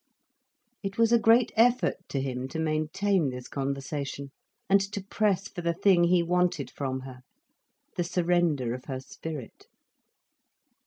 It was a great effort to him to maintain this conversation, and to press for the thing he wanted from her, the surrender of her spirit.